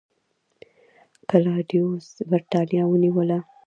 کلاډیوس برېټانیا ونیوله